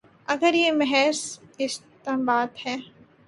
اگر یہ محض استنباط ہے۔